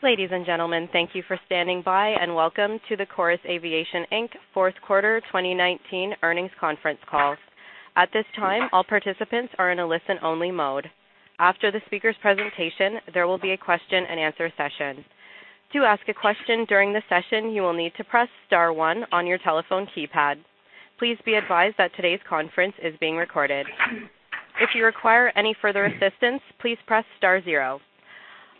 Ladies and gentlemen, thank you for standing by, and welcome to the Chorus Aviation Inc. fourth quarter 2019 earnings conference call. At this time, all participants are in a listen-only mode. After the speaker's presentation, there will be a question-and-answer session. To ask a question during the session, you will need to press star one on your telephone keypad. Please be advised that today's conference is being recorded. If you require any further assistance, please press star zero.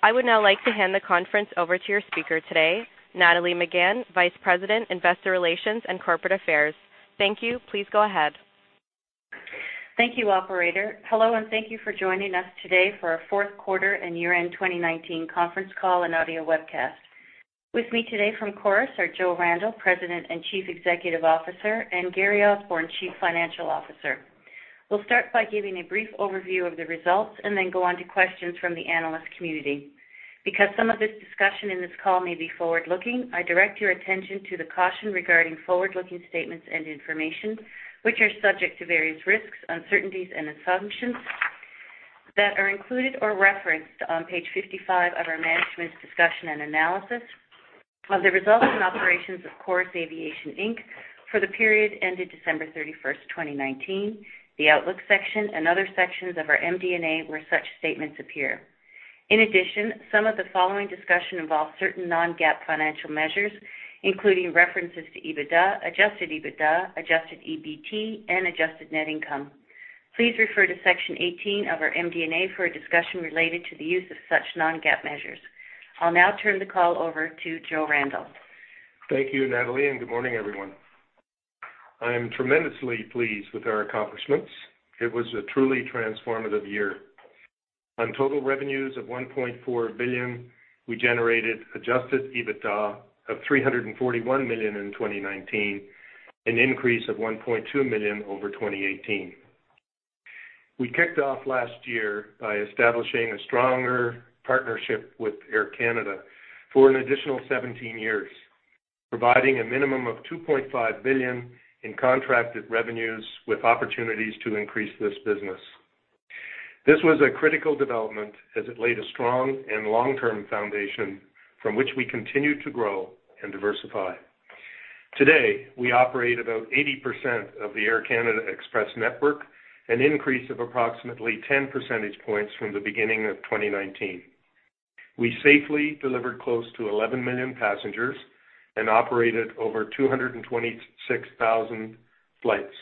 I would now like to hand the conference over to your speaker today, Nathalie Megann, Vice President, Investor Relations and Corporate Affairs. Thank you. Please go ahead. Thank you, operator. Hello, and thank you for joining us today for our fourth quarter and year-end 2019 conference call and audio webcast. With me today from Chorus are Joe Randell, President and Chief Executive Officer, and Gary Osborne, Chief Financial Officer. We'll start by giving a brief overview of the results and then go on to questions from the analyst community. Because some of this discussion in this call may be forward-looking, I direct your attention to the caution regarding forward-looking statements and information, which are subject to various risks, uncertainties, and assumptions that are included or referenced on page 55 of our management's discussion and analysis of the results and operations of Chorus Aviation Inc. for the period ended December 31, 2019, the outlook section and other sections of our MD&A, where such statements appear. In addition, some of the following discussion involves certain non-GAAP financial measures, including references to EBITDA, adjusted EBITDA, adjusted EBT, and adjusted net income. Please refer to section 18 of our MD&A for a discussion related to the use of such non-GAAP measures. I'll now turn the call over to Joe Randell. Thank you, Nathalie, and good morning, everyone. I am tremendously pleased with our accomplishments. It was a truly transformative year. On total revenues of 1.4 billion, we generated adjusted EBITDA of 341 million in 2019, an increase of 1.2 million over 2018. We kicked off last year by establishing a stronger partnership with Air Canada for an additional 17 years, providing a minimum of 2.5 billion in contracted revenues with opportunities to increase this business. This was a critical development as it laid a strong and long-term foundation from which we continued to grow and diversify. Today, we operate about 80% of the Air Canada Express network, an increase of approximately 10 percentage points from the beginning of 2019. We safely delivered close to 11 million passengers and operated over 226,000 flights.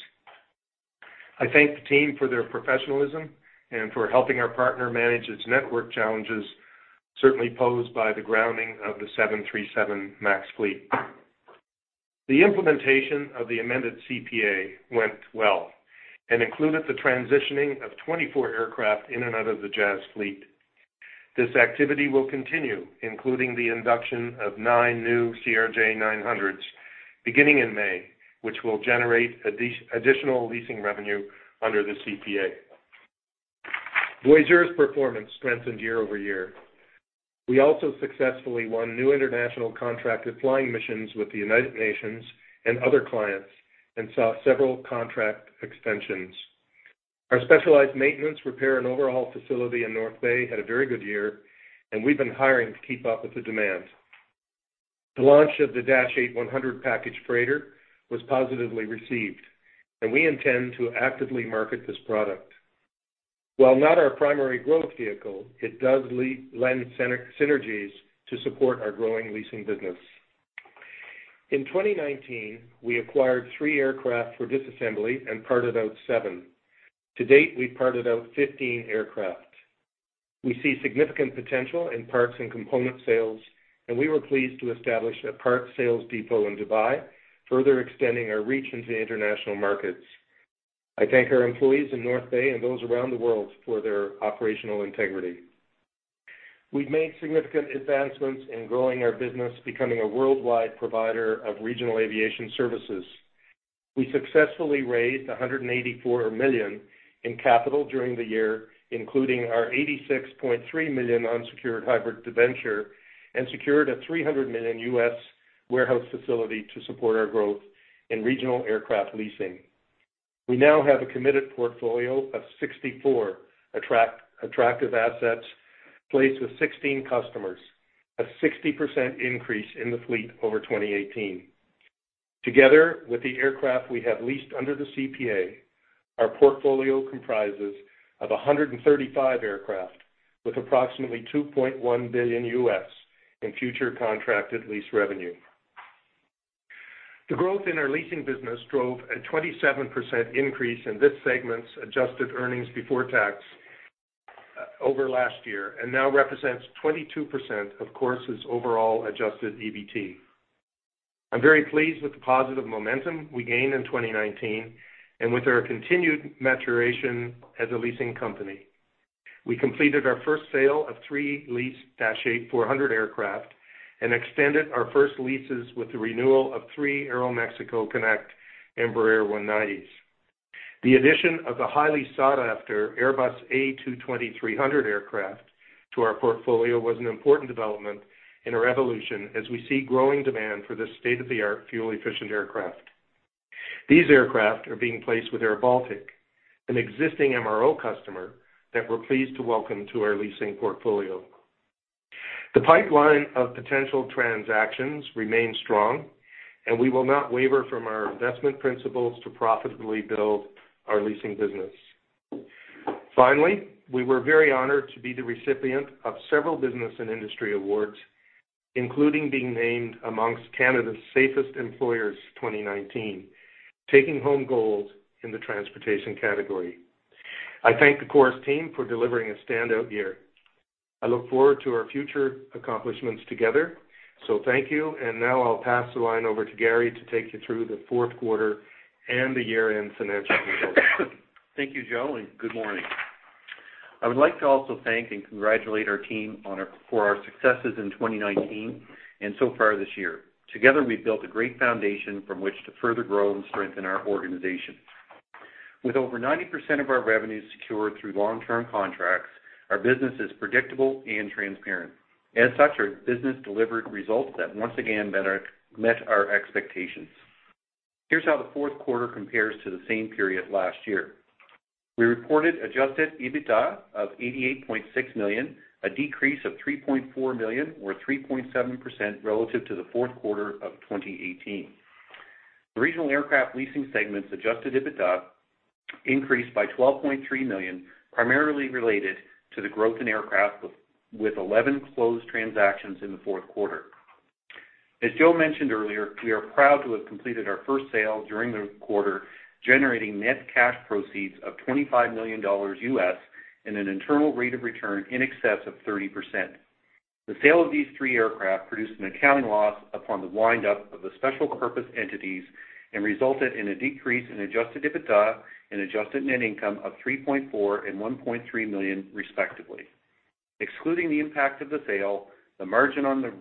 I thank the team for their professionalism and for helping our partner manage its network challenges, certainly posed by the grounding of the 737 MAX fleet. The implementation of the amended CPA went well and included the transitioning of 24 aircraft in and out of the Jazz fleet. This activity will continue, including the induction of nine new CRJ900s, beginning in May, which will generate additional leasing revenue under the CPA. Voyageur's performance strengthened year-over-year. We also successfully won new international contracted flying missions with the United Nations and other clients and saw several contract extensions. Our specialized maintenance, repair, and overhaul facility in North Bay had a very good year, and we've been hiring to keep up with the demand. The launch of the Dash 8-100 Package Freighter was positively received, and we intend to actively market this product. While not our primary growth vehicle, it does lend synergies to support our growing leasing business. In 2019, we acquired 3 aircraft for disassembly and parted out 7. To date, we've parted out 15 aircraft. We see significant potential in parts and component sales, and we were pleased to establish a parts sales depot in Dubai, further extending our reach into the international markets. I thank our employees in North Bay and those around the world for their operational integrity. We've made significant advancements in growing our business, becoming a worldwide provider of regional aviation services. We successfully raised 184 million in capital during the year, including our 86.3 million unsecured hybrid debenture, and secured $300 million U.S. warehouse facility to support our growth in regional aircraft leasing. We now have a committed portfolio of 64 attractive assets, placed with 16 customers, a 60% increase in the fleet over 2018. Together with the aircraft we have leased under the CPA, our portfolio comprises of 135 aircraft with approximately $2.1 billion in future contracted lease revenue. The growth in our leasing business drove a 27% increase in this segment's adjusted earnings before tax over last year and now represents 22% of Chorus's overall adjusted EBT. I'm very pleased with the positive momentum we gained in 2019 and with our continued maturation as a leasing company. We completed our first sale of 3 leased Dash 8-400 aircraft and extended our first leases with the renewal of 3 Aeromexico Connect Embraer 190s. The addition of the highly sought-after Airbus A220-300 aircraft to our portfolio was an important development in our evolution as we see growing demand for this state-of-the-art, fuel-efficient aircraft.... These aircraft are being placed with airBaltic, an existing MRO customer that we're pleased to welcome to our leasing portfolio. The pipeline of potential transactions remains strong, and we will not waver from our investment principles to profitably build our leasing business. Finally, we were very honored to be the recipient of several business and industry awards, including being named amongst Canada's Safest Employers 2019, taking home gold in the transportation category. I thank the Chorus team for delivering a standout year. I look forward to our future accomplishments together. So thank you. And now I'll pass the line over to Gary to take you through the fourth quarter and the year-end financial results. Thank you, Joe, and good morning. I would like to also thank and congratulate our team for our successes in 2019 and so far this year. Together, we've built a great foundation from which to further grow and strengthen our organization. With over 90% of our revenues secured through long-term contracts, our business is predictable and transparent. As such, our business delivered results that once again met our expectations. Here's how the fourth quarter compares to the same period last year. We reported adjusted EBITDA of 88.6 million, a decrease of 3.4 million, or 3.7%, relative to the fourth quarter of 2018. The Regional Aircraft Leasing segment's adjusted EBITDA increased by 12.3 million, primarily related to the growth in aircraft, with 11 closed transactions in the fourth quarter. As Joe mentioned earlier, we are proud to have completed our first sale during the quarter, generating net cash proceeds of $25 million and an internal rate of return in excess of 30%. The sale of these 3 aircraft produced an accounting loss upon the wind-up of the special purpose entities and resulted in a decrease in Adjusted EBITDA and Adjusted Net Income of 3.4 million and 1.3 million, respectively. Excluding the impact of the sale, the margin on the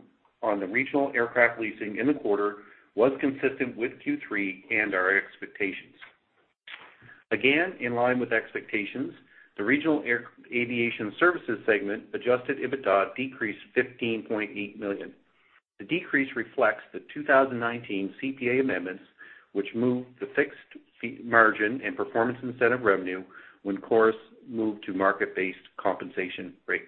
Regional Aircraft Leasing in the quarter was consistent with Q3 and our expectations. Again, in line with expectations, the Regional Aviation Services segment Adjusted EBITDA decreased 15.8 million. The decrease reflects the 2019 CPA amendments, which moved the fixed fee margin and performance incentive revenue when Chorus moved to market-based compensation rates.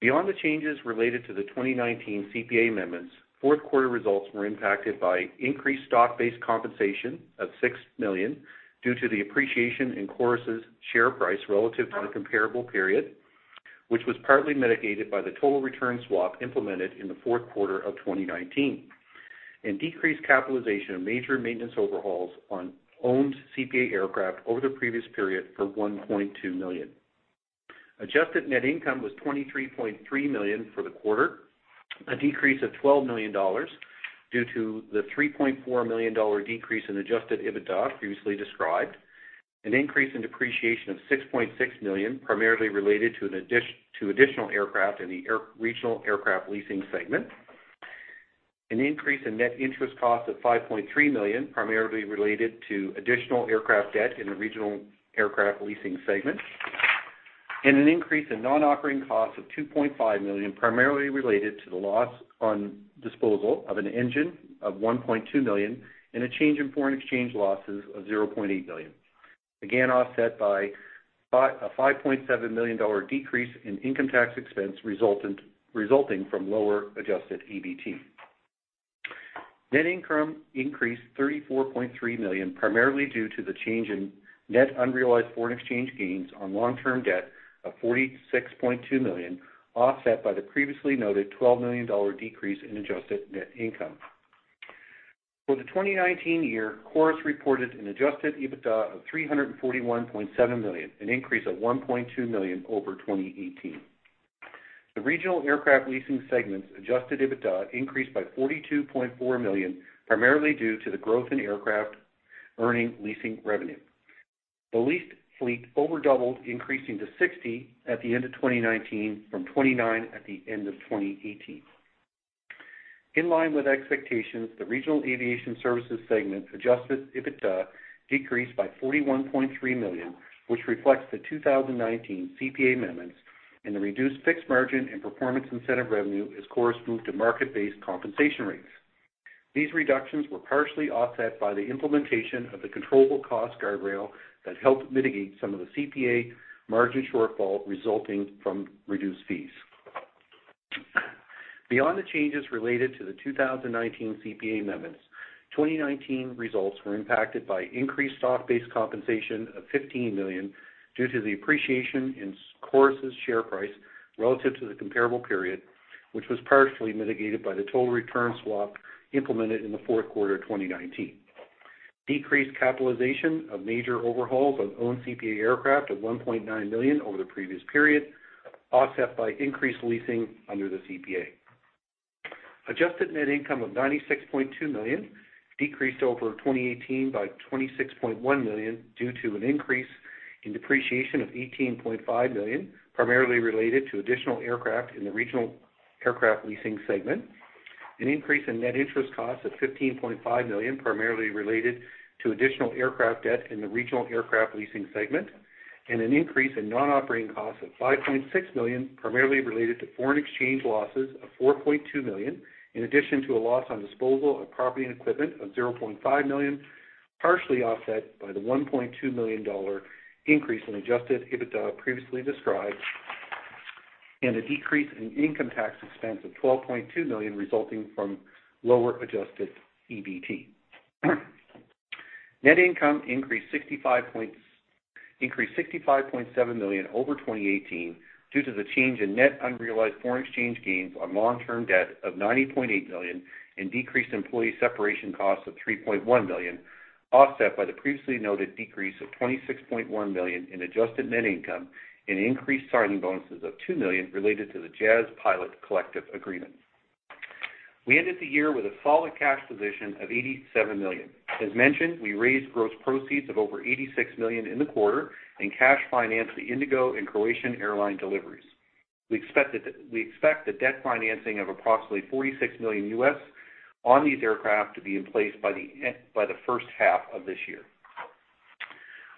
Beyond the changes related to the 2019 CPA amendments, fourth quarter results were impacted by increased stock-based compensation of 6 million due to the appreciation in Chorus's share price relative to the comparable period, which was partly mitigated by the total return swap implemented in the fourth quarter of 2019, and decreased capitalization of major maintenance overhauls on owned CPA aircraft over the previous period for 1.2 million. Adjusted net income was 23.3 million for the quarter, a decrease of 12 million dollars due to the 3.4 million dollar decrease in adjusted EBITDA previously described, an increase in depreciation of 6.6 million, primarily related to an addition to additional aircraft in the our Regional Aircraft Leasing segment, an increase in net interest costs of 5.3 million, primarily related to additional aircraft debt in the Regional Aircraft Leasing segment, and an increase in non-operating costs of 2.5 million, primarily related to the loss on disposal of an engine of 1.2 million, and a change in foreign exchange losses of 0.8 million, again, offset by a 5.7 million dollar decrease in income tax expense resulting from lower adjusted EBT. Net income increased 34.3 million, primarily due to the change in net unrealized foreign exchange gains on long-term debt of 46.2 million, offset by the previously noted 12 million dollar decrease in adjusted net income. For the 2019 year, Chorus reported an adjusted EBITDA of 341.7 million, an increase of 1.2 million over 2018. The Regional Aircraft Leasing segment's adjusted EBITDA increased by 42.4 million, primarily due to the growth in aircraft earning leasing revenue. The leased fleet over doubled, increasing to 60 at the end of 2019 from 29 at the end of 2018. In line with expectations, the Regional Aviation Services segment's adjusted EBITDA decreased by 41.3 million, which reflects the 2019 CPA amendments and the reduced fixed margin and performance incentive revenue as Chorus moved to market-based compensation rates. These reductions were partially offset by the implementation of the Controllable Cost Guardrail that helped mitigate some of the CPA margin shortfall resulting from reduced fees. Beyond the changes related to the 2019 CPA amendments, 2019 results were impacted by increased stock-based compensation of 15 million due to the appreciation in Chorus's share price relative to the comparable period, which was partially mitigated by the Total Return Swap implemented in the fourth quarter of 2019. Decreased capitalization of major overhauls on own CPA aircraft of 1.9 million over the previous period, offset by increased leasing under the CPA. Adjusted Net Income of 96.2 million decreased over 2018 by 26.1 million due to an increase in depreciation of 18.5 million, primarily related to additional aircraft in the Regional Aircraft Leasing segment, an increase in net interest costs of 15.5 million, primarily related to additional aircraft debt in the Regional Aircraft Leasing segment, and an increase in non-operating costs of 5.6 million, primarily related to foreign exchange losses of 4.2 million, in addition to a loss on disposal of property and equipment of 0.5 million, partially offset by the 1.2 million dollar increase in Adjusted EBITDA previously described, and a decrease in income tax expense of 12.2 million, resulting from lower adjusted EBT. Net income increased 65.7 million over 2018 due to the change in net unrealized foreign exchange gains on long-term debt of 90.8 million, and decreased employee separation costs of 3.1 million, offset by the previously noted decrease of 26.1 million in adjusted net income and increased signing bonuses of 2 million related to the Jazz pilot collective agreement. We ended the year with a solid cash position of 87 million. As mentioned, we raised gross proceeds of over 86 million in the quarter and cash financed the IndiGo and Croatia Airlines deliveries. We expect the debt financing of approximately $46 million on these aircraft to be in place by the first half of this year.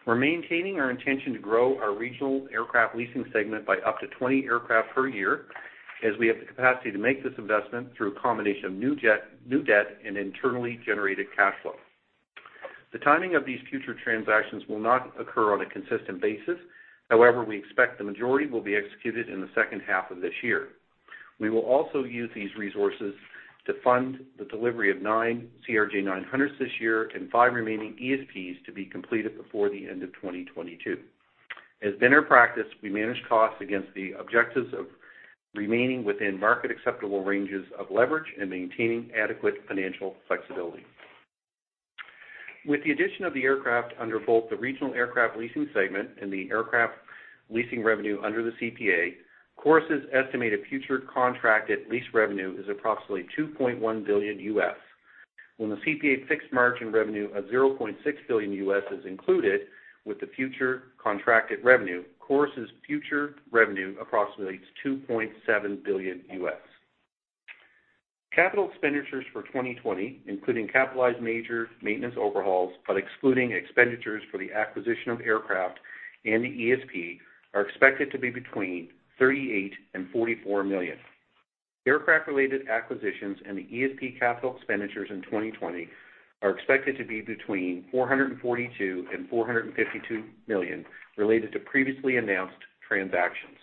We're maintaining our intention to grow our regional aircraft leasing segment by up to 20 aircraft per year, as we have the capacity to make this investment through a combination of new debt and internally generated cash flow. The timing of these future transactions will not occur on a consistent basis. However, we expect the majority will be executed in the second half of this year. We will also use these resources to fund the delivery of nine CRJ-900 this year and five remaining ESPs to be completed before the end of 2022. As has been our practice, we manage costs against the objectives of remaining within market acceptable ranges of leverage and maintaining adequate financial flexibility. With the addition of the aircraft under both the regional aircraft leasing segment and the aircraft leasing revenue under the CPA, Chorus's estimated future contracted lease revenue is approximately $2.1 billion. When the CPA fixed margin revenue of $0.6 billion is included with the future contracted revenue, Chorus's future revenue approximates $2.7 billion. Capital expenditures for 2020, including capitalized major maintenance overhauls, but excluding expenditures for the acquisition of aircraft and the ESP, are expected to be between 38 million and 44 million. Aircraft-related acquisitions and the ESP capital expenditures in 2020 are expected to be between 442 million and 452 million, related to previously announced transactions.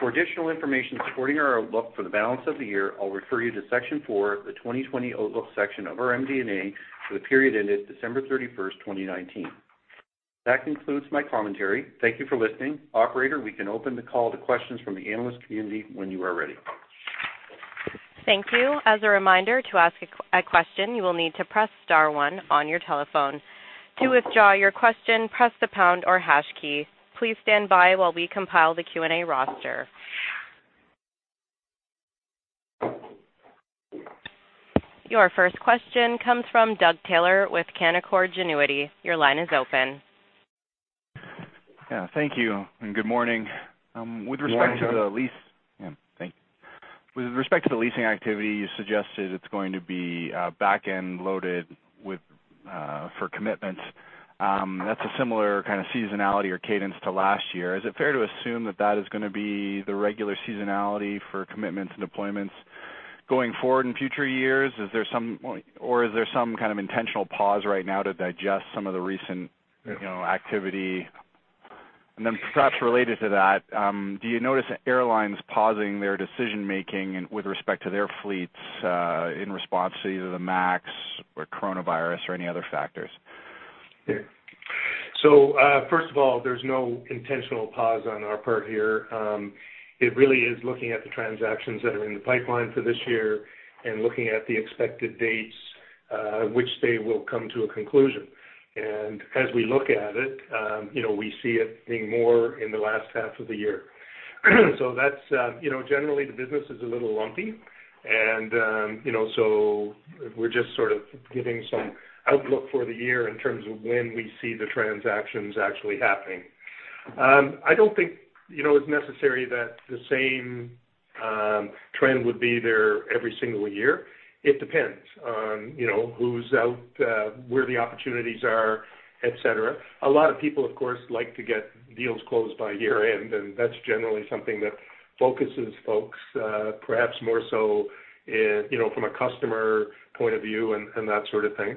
For additional information supporting our outlook for the balance of the year, I'll refer you to Section 4 of the 2020 Outlook section of our MD&A for the period ended December 31st, 2019. That concludes my commentary. Thank you for listening. Operator, we can open the call to questions from the analyst community when you are ready. Thank you. As a reminder, to ask a question, you will need to press star one on your telephone. To withdraw your question, press the pound or hash key. Please stand by while we compile the Q&A roster. Your first question comes from Doug Taylor with Canaccord Genuity. Your line is open. Yeah, thank you, and good morning. Good morning, Doug. With respect to the lease... Yeah, thank you. With respect to the leasing activity, you suggested it's going to be back-end loaded with for commitments. That's a similar kind of seasonality or cadence to last year. Is it fair to assume that that is gonna be the regular seasonality for commitments and deployments going forward in future years? Is there some kind of intentional pause right now to digest some of the recent, you know, activity? And then perhaps related to that, do you notice airlines pausing their decision-making in with respect to their fleets in response to either the MAX or coronavirus or any other factors? So, first of all, there's no intentional pause on our part here. It really is looking at the transactions that are in the pipeline for this year and looking at the expected dates, which they will come to a conclusion. And as we look at it, you know, we see it being more in the last half of the year. So that's, you know, generally the business is a little lumpy, and, you know, so we're just sort of giving some outlook for the year in terms of when we see the transactions actually happening. I don't think, you know, it's necessary that the same trend would be there every single year. It depends on, you know, who's out, where the opportunities are, et cetera. A lot of people, of course, like to get deals closed by year-end, and that's generally something that focuses folks, perhaps more so in, you know, from a customer point of view and that sort of thing.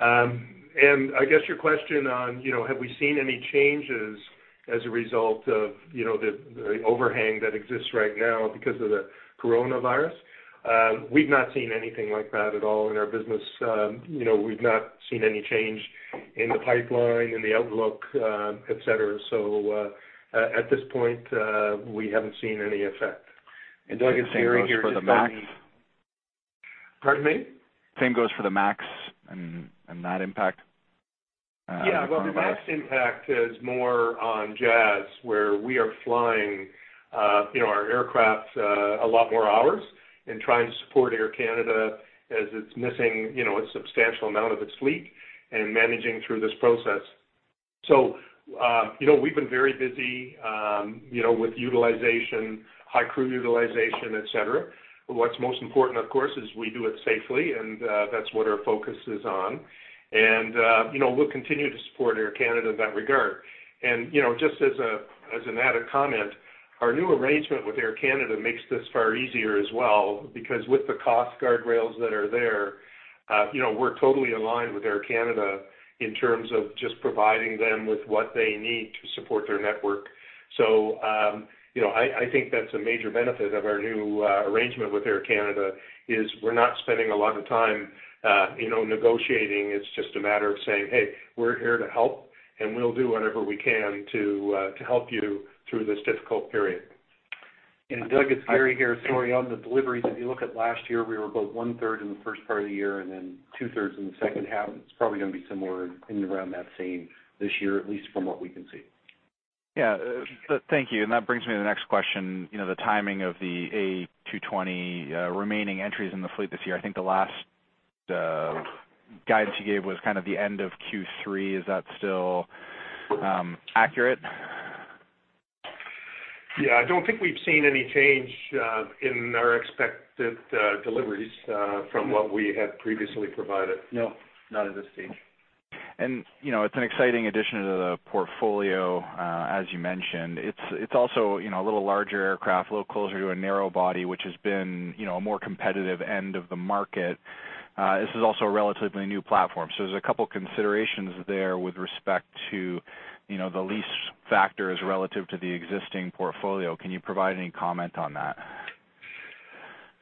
And I guess your question on, you know, have we seen any changes as a result of, you know, the overhang that exists right now because of the coronavirus? We've not seen anything like that at all in our business. You know, we've not seen any change in the pipeline, in the outlook, et cetera. So, at this point, we haven't seen any effect. And Doug, it's Gary here. The same goes for the MAX? Pardon me? Same goes for the MAX and that impact on coronavirus? Yeah, well, the MAX impact is more on Jazz, where we are flying, you know, our aircraft, a lot more hours and trying to support Air Canada as it's missing, you know, a substantial amount of its fleet and managing through this process. So, you know, we've been very busy, you know, with utilization, high crew utilization, et cetera. What's most important, of course, is we do it safely, and, that's what our focus is on. And, you know, we'll continue to support Air Canada in that regard. And, you know, just as a, as an added comment, our new arrangement with Air Canada makes this far easier as well, because with the cost guardrails that are there, you know, we're totally aligned with Air Canada in terms of just providing them with what they need to support their network.... So, you know, I think that's a major benefit of our new arrangement with Air Canada, is we're not spending a lot of time, you know, negotiating. It's just a matter of saying, "Hey, we're here to help, and we'll do whatever we can to, to help you through this difficult period. Doug, it's Gary here. Sorry, on the deliveries, if you look at last year, we were about one third in the first part of the year and then two thirds in the second half. It's probably going to be similar in around that same this year, at least from what we can see. Yeah, thank you. And that brings me to the next question, you know, the timing of the A220 remaining entries in the fleet this year. I think the last guidance you gave was kind of the end of Q3. Is that still accurate? Yeah, I don't think we've seen any change in our expected deliveries from what we had previously provided. No, not at this stage. You know, it's an exciting addition to the portfolio, as you mentioned. It's, it's also, you know, a little larger aircraft, a little closer to a narrow body, which has been, you know, a more competitive end of the market. This is also a relatively new platform, so there's a couple considerations there with respect to, you know, the lease factors relative to the existing portfolio. Can you provide any comment on that?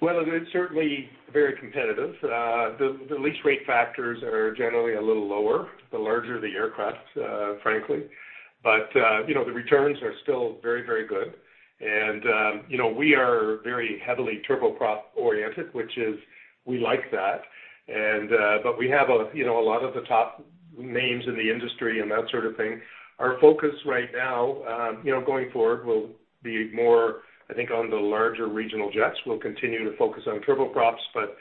Well, it's certainly very competitive. The lease rate factors are generally a little lower, the larger the aircraft, frankly. But you know, the returns are still very, very good. And you know, we are very heavily turboprop-oriented, which is, we like that. And but we have a you know, a lot of the top names in the industry and that sort of thing. Our focus right now, you know, going forward, will be more, I think, on the larger regional jets. We'll continue to focus on turboprops, but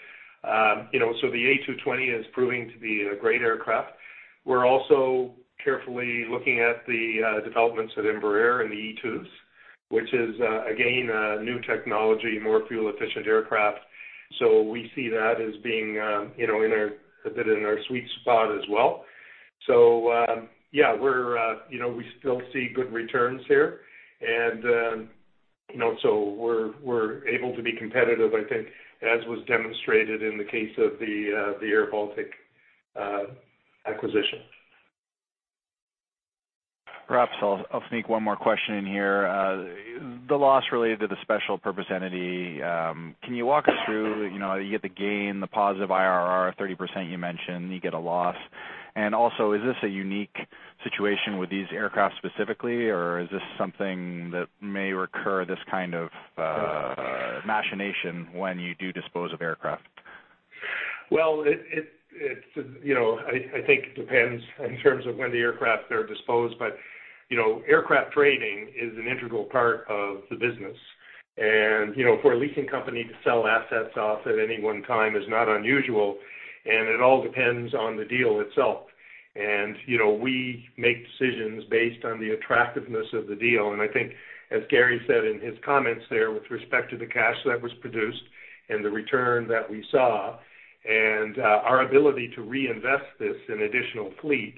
you know, so the A220 is proving to be a great aircraft. We're also carefully looking at the developments at Embraer and the E2s, which is again, a new technology, more fuel efficient aircraft. So we see that as being, you know, in our, a bit in our sweet spot as well. So, yeah, we're, you know, we still see good returns here, and, you know, so we're, we're able to be competitive, I think, as was demonstrated in the case of the airBaltic acquisition. Perhaps I'll, I'll sneak one more question in here. The loss related to the special purpose entity, can you walk us through, you know, you get the gain, the positive IRR, 30% you mentioned, you get a loss. And also, is this a unique situation with these aircraft specifically, or is this something that may recur, this kind of, machination, when you do dispose of aircraft? Well, it's, you know, I think it depends in terms of when the aircraft are disposed, but, you know, aircraft trading is an integral part of the business. And, you know, for a leasing company to sell assets off at any one time is not unusual, and it all depends on the deal itself. And, you know, we make decisions based on the attractiveness of the deal. And I think, as Gary said in his comments there, with respect to the cash that was produced and the return that we saw, and, our ability to reinvest this in additional fleet,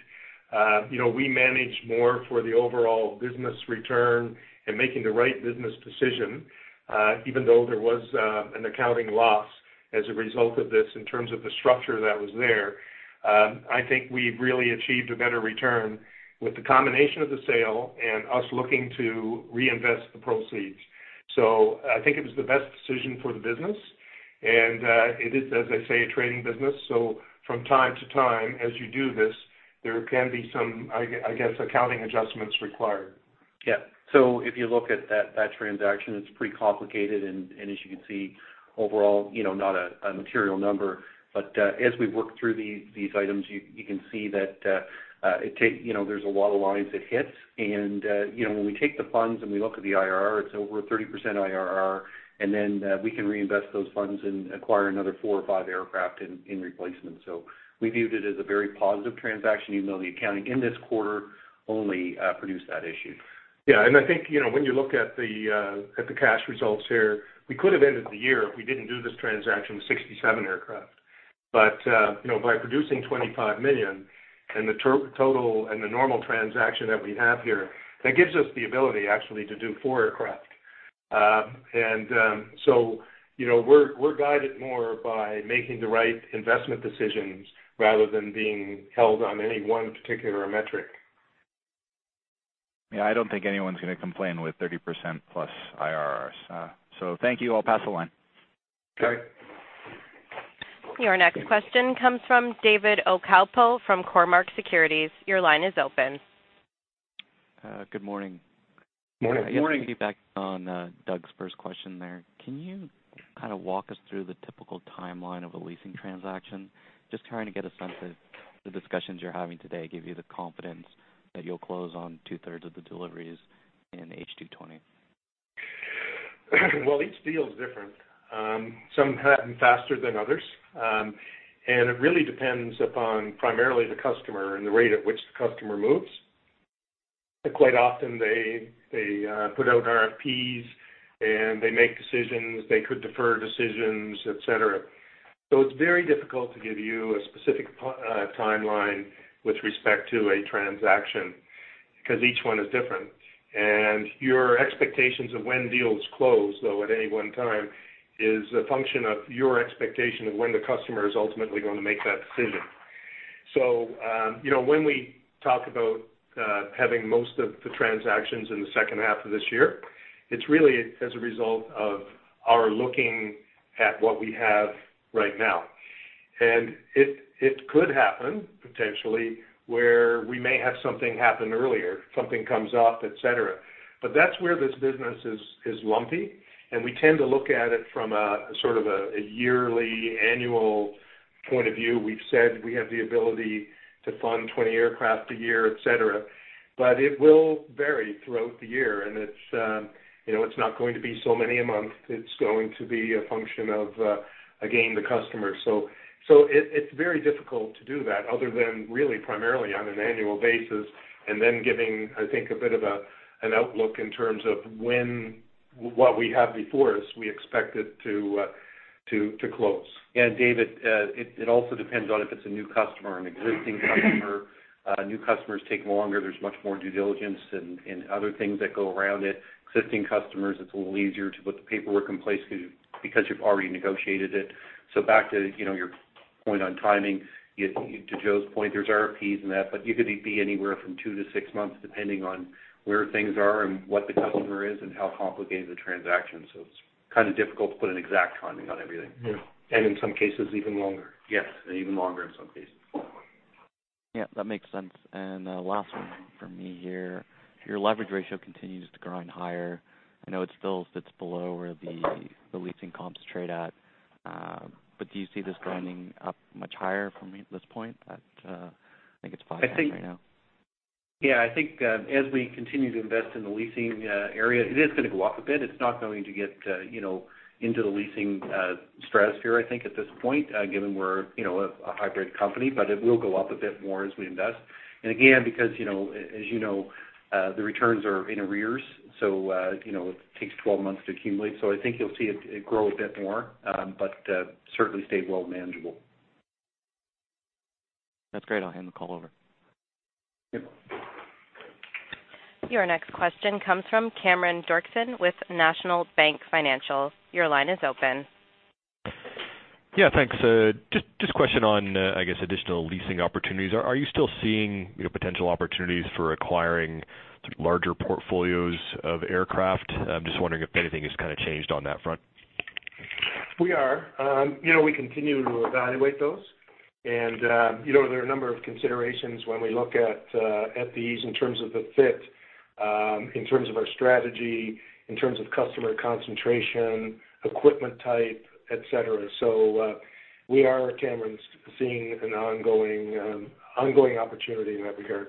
you know, we manage more for the overall business return and making the right business decision, even though there was, an accounting loss as a result of this in terms of the structure that was there. I think we've really achieved a better return with the combination of the sale and us looking to reinvest the proceeds. So I think it was the best decision for the business, and it is, as I say, a trading business, so from time to time, as you do this, there can be some, I guess, accounting adjustments required. Yeah. So if you look at that, that transaction, it's pretty complicated, and, and as you can see, overall, you know, not a, a material number. But, as we work through these, these items, you, you can see that. You know, there's a lot of lines it hits. And, you know, when we take the funds and we look at the IRR, it's over a 30% IRR, and then, we can reinvest those funds and acquire another four or five aircraft in, in replacement. So we viewed it as a very positive transaction, even though the accounting in this quarter only, produced that issue. Yeah, and I think, you know, when you look at the, at the cash results here, we could have ended the year, if we didn't do this transaction, with 67 aircraft. But, you know, by producing 25 million and the total, and the normal transaction that we have here, that gives us the ability, actually, to do 4 aircraft. And, so you know, we're, we're guided more by making the right investment decisions rather than being held on any one particular metric. Yeah, I don't think anyone's going to complain with 30%+ IRRs. So thank you. I'll pass the line. Okay. Your next question comes from David Ocampo from Cormark Securities. Your line is open. Good morning. Morning. Morning. To piggyback on, Doug's first question there, can you kind of walk us through the typical timeline of a leasing transaction? Just trying to get a sense if the discussions you're having today give you the confidence that you'll close on two-thirds of the deliveries in A220. Well, each deal is different. Some happen faster than others. And it really depends upon primarily the customer and the rate at which the customer moves. Quite often, they put out RFPs, and they make decisions, they could defer decisions, et cetera. So it's very difficult to give you a specific timeline with respect to a transaction, because each one is different. And your expectations of when deals close, though, at any one time, is a function of your expectation of when the customer is ultimately going to make that decision. So, you know, when we talk about having most of the transactions in the second half of this year, it's really as a result of our looking at what we have right now. And it could happen potentially, where we may have something happen earlier, something comes up, et cetera. But that's where this business is, is lumpy, and we tend to look at it from a sort of a yearly annual point of view. We've said we have the ability to fund 20 aircraft a year, et cetera, but it will vary throughout the year, and it's, you know, it's not going to be so many a month. It's going to be a function of, again, the customer. So it, it's very difficult to do that other than really primarily on an annual basis, and then giving, I think, a bit of an outlook in terms of when, what we have before us, we expect it to to close. David, it also depends on if it's a new customer or an existing customer. New customers take longer. There's much more due diligence and other things that go around it. Existing customers, it's a little easier to put the paperwork in place because you've already negotiated it. So back to, you know, your point on timing, to Joe's point, there's RFPs and that, but you could be anywhere from 2-6 months, depending on where things are and what the customer is and how complicated the transaction. So it's kind of difficult to put an exact timing on everything. Yeah, and in some cases, even longer. Yes, even longer in some cases. Yeah, that makes sense. Last one from me here. Your leverage ratio continues to grind higher. I know it still sits below where the leasing comps trade at, but do you see this grinding up much higher from this point? That, I think it's 5 right now. Yeah, I think, as we continue to invest in the leasing area, it is gonna go up a bit. It's not going to get, you know, into the leasing stratosphere, I think, at this point, given we're, you know, a hybrid company, but it will go up a bit more as we invest. And again, because, you know, as you know, the returns are in arrears, so, you know, it takes 12 months to accumulate. So I think you'll see it, it grow a bit more, but, certainly stay well manageable. That's great. I'll hand the call over. Yeah. Your next question comes from Cameron Doerksen with National Bank Financial. Your line is open. Yeah, thanks. Just a question on additional leasing opportunities. Are you still seeing, you know, potential opportunities for acquiring larger portfolios of aircraft? I'm just wondering if anything has kind of changed on that front. We are. You know, we continue to evaluate those, and, you know, there are a number of considerations when we look at these in terms of the fit, in terms of our strategy, in terms of customer concentration, equipment type, et cetera. So, we are, Cameron, seeing an ongoing, ongoing opportunity in that regard.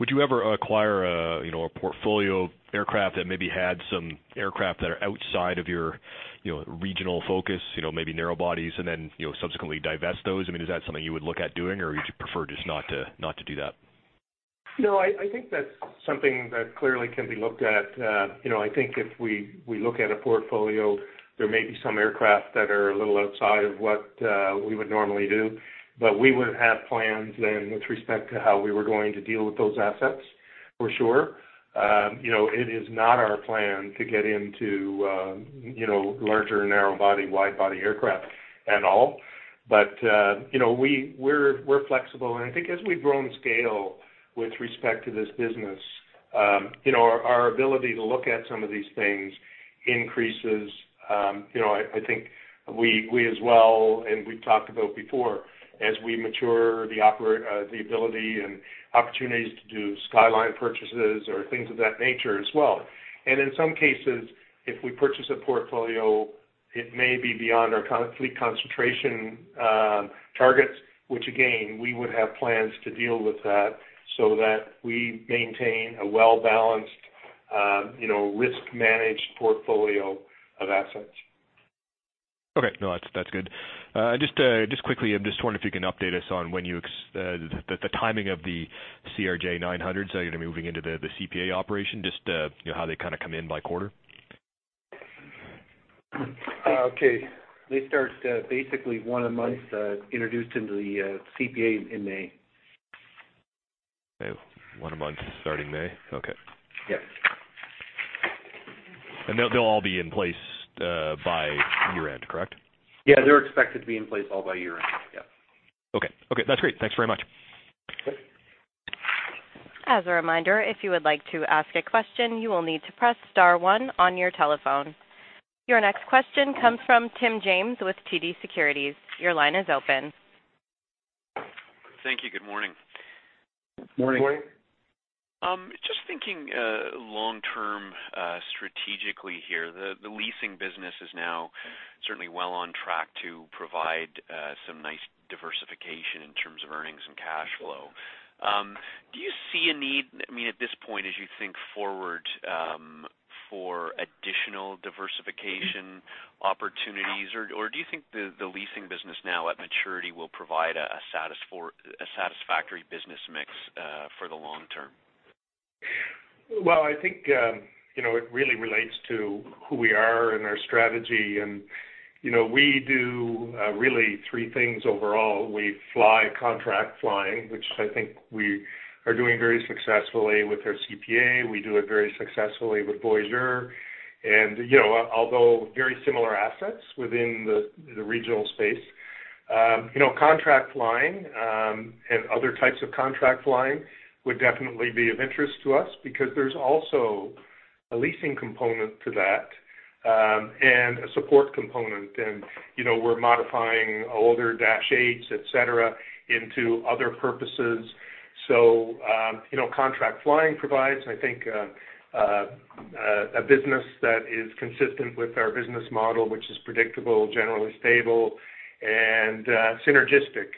Would you ever acquire a, you know, a portfolio of aircraft that maybe had some aircraft that are outside of your, you know, regional focus, you know, maybe narrow bodies, and then, you know, subsequently divest those? I mean, is that something you would look at doing, or would you prefer just not to, not to do that? No, I think that's something that clearly can be looked at. You know, I think if we look at a portfolio, there may be some aircraft that are a little outside of what we would normally do, but we would have plans then with respect to how we were going to deal with those assets, for sure. You know, it is not our plan to get into larger narrow-body, wide-body aircraft at all. But you know, we're flexible, and I think as we've grown scale with respect to this business, you know, our ability to look at some of these things increases. You know, I think we as well, and we've talked about before, as we mature the ability and opportunities to do skyline purchases or things of that nature as well. And in some cases, if we purchase a portfolio, it may be beyond our fleet concentration targets, which again, we would have plans to deal with that so that we maintain a well-balanced, you know, risk-managed portfolio of assets. Okay. No, that's good. Just quickly, I'm just wondering if you can update us on when you, the timing of the CRJ900, so, you know, moving into the CPA operation, just, you know, how they kind of come in by quarter? Okay. They start basically one a month introduced into the CPA in May. Okay. one month starting May? Okay. Yes. They'll all be in place by year-end, correct? Yeah, they're expected to be in place all by year-end, yep. Okay. Okay, that's great. Thanks very much. Okay. As a reminder, if you would like to ask a question, you will need to press star one on your telephone. Your next question comes from Tim James with TD Securities. Your line is open. Thank you. Good morning. Morning. Morning. Just thinking, long-term, strategically here. The leasing business is now certainly well on track to provide some nice diversification in terms of earnings and cash flow. Do you see a need, I mean, at this point, as you think forward, for additional diversification opportunities, or do you think the leasing business now at maturity will provide a satisfactory business mix for the long term? Well, I think, you know, it really relates to who we are and our strategy. And, you know, we do, really three things overall. We fly contract flying, which I think we are doing very successfully with our CPA. We do it very successfully with Voyageur.... And, you know, although very similar assets within the, the regional space, you know, contract flying, and other types of contract flying would definitely be of interest to us because there's also a leasing component to that, and a support component. And, you know, we're modifying older Dash 8s, et cetera, into other purposes. So, you know, contract flying provides, I think, a business that is consistent with our business model, which is predictable, generally stable, and, synergistic.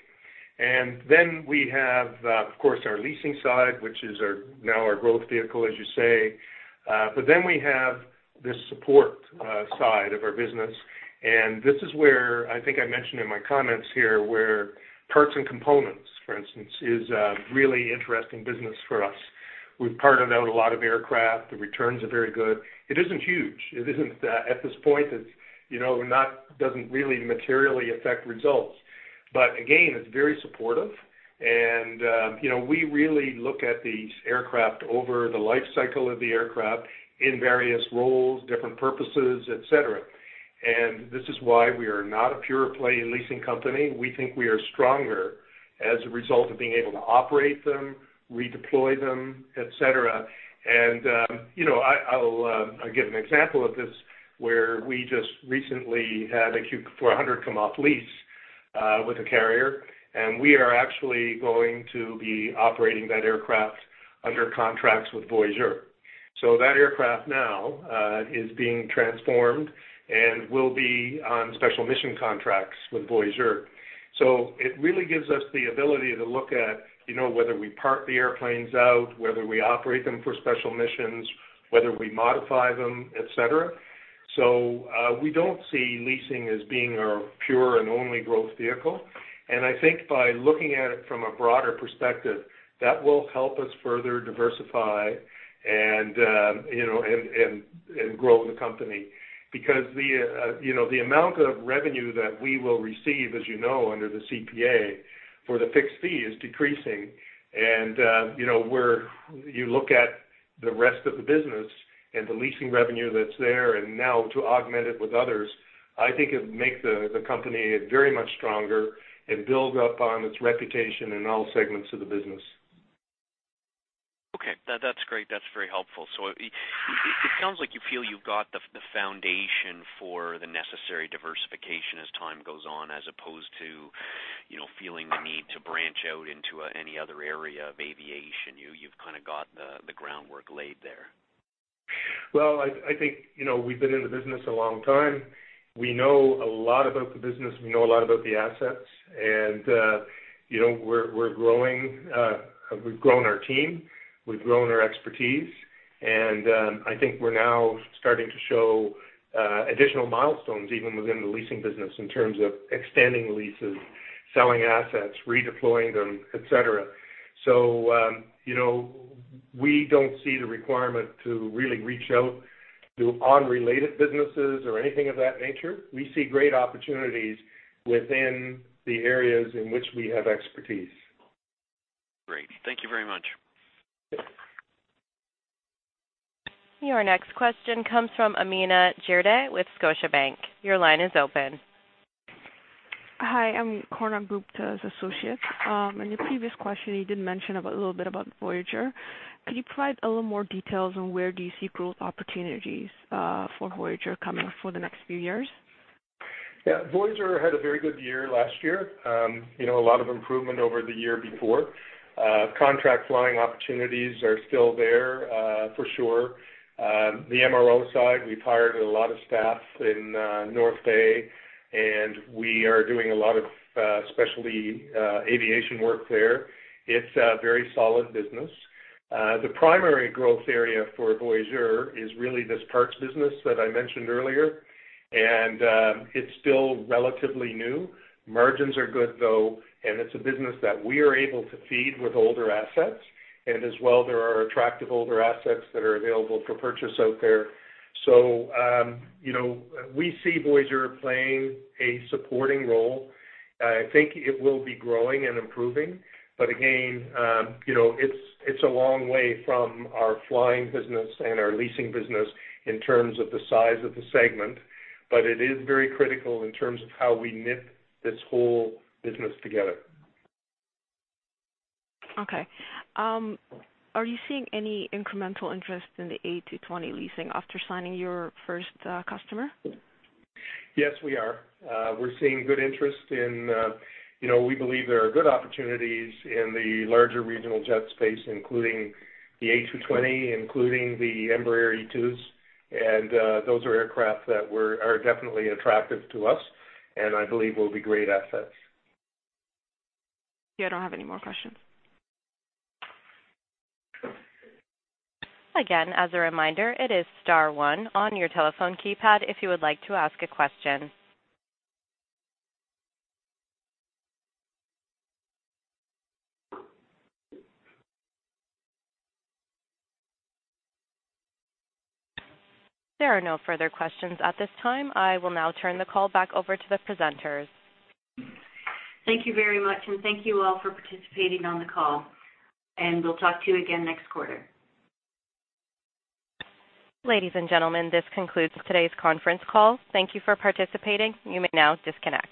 Then we have, of course, our leasing side, which is now our growth vehicle, as you say. But then we have this support side of our business, and this is where I think I mentioned in my comments here, where parts and components, for instance, is a really interesting business for us. We've parted out a lot of aircraft. The returns are very good. It isn't huge. It isn't, at this point, it's, you know, doesn't really materially affect results. But again, it's very supportive, and, you know, we really look at these aircraft over the life cycle of the aircraft in various roles, different purposes, etc. And this is why we are not a pure play in leasing company. We think we are stronger as a result of being able to operate them, redeploy them, etc. And, you know, I'll give an example of this, where we just recently had a Q400 come off lease with a carrier, and we are actually going to be operating that aircraft under contracts with Voyageur. So that aircraft now is being transformed and will be on special mission contracts with Voyageur. So it really gives us the ability to look at, you know, whether we park the airplanes out, whether we operate them for special missions, whether we modify them, et cetera. So, we don't see leasing as being our pure and only growth vehicle, and I think by looking at it from a broader perspective, that will help us further diversify and, you know, and grow the company. Because the, you know, the amount of revenue that we will receive, as you know, under the CPA for the fixed fee is decreasing. And, you know, where you look at the rest of the business and the leasing revenue that's there, and now to augment it with others, I think it would make the, the company very much stronger and build up on its reputation in all segments of the business. Okay, that's great. That's very helpful. So it sounds like you feel you've got the foundation for the necessary diversification as time goes on, as opposed to, you know, feeling the need to branch out into any other area of aviation. You've kind of got the groundwork laid there. Well, I think, you know, we've been in the business a long time. We know a lot about the business, we know a lot about the assets, and, you know, we're growing, we've grown our team, we've grown our expertise, and, I think we're now starting to show additional milestones, even within the leasing business, in terms of extending leases, selling assets, redeploying them, et cetera. So, you know, we don't see the requirement to really reach out to unrelated businesses or anything of that nature. We see great opportunities within the areas in which we have expertise. Great. Thank you very much. Your next question comes from Amina Jirde with Scotiabank. Your line is open. Hi, I'm Konark Gupta's associate. In the previous question, you did mention about, a little bit about Voyageur. Could you provide a little more details on where do you see growth opportunities, for Voyageur coming up for the next few years? Yeah. Voyageur had a very good year last year. You know, a lot of improvement over the year before. Contract flying opportunities are still there, for sure. The MRO side, we've hired a lot of staff in, North Bay, and we are doing a lot of, specialty, aviation work there. It's a very solid business. The primary growth area for Voyageur is really this parts business that I mentioned earlier, and, it's still relatively new. Margins are good, though, and it's a business that we are able to feed with older assets. And as well, there are attractive older assets that are available for purchase out there. So, you know, we see Voyageur playing a supporting role. I think it will be growing and improving, but again, you know, it's a long way from our flying business and our leasing business in terms of the size of the segment, but it is very critical in terms of how we knit this whole business together. Okay. Are you seeing any incremental interest in the A220 leasing after signing your first customer? Yes, we are. We're seeing good interest in... You know, we believe there are good opportunities in the larger regional jet space, including the A220, including the Embraer E2s, and those are aircraft that were, are definitely attractive to us and I believe will be great assets. Yeah, I don't have any more questions. Again, as a reminder, it is star one on your telephone keypad if you would like to ask a question. There are no further questions at this time. I will now turn the call back over to the presenters. Thank you very much, and thank you all for participating on the call, and we'll talk to you again next quarter. Ladies and gentlemen, this concludes today's conference call. Thank you for participating. You may now disconnect.